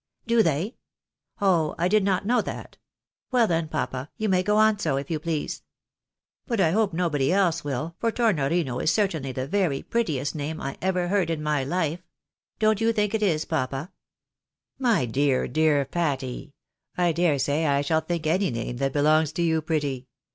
" Do they ? Oh ! I did not know that. Well, then, papa, you may go on so, if you please. But I hope nobody else will, for Tornorino is certainly the very prettiest name I ever heard in my Ufe. Don't you think it is, papa ?"" My dear, dear Patty ! I dare say I shall think any name that belongs to you pretty.